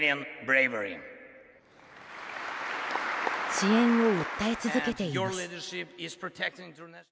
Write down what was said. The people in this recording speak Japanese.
支援を訴え続けています。